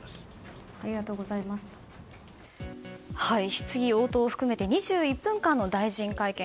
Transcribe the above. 質疑応答を含めて２１分間の大臣会見。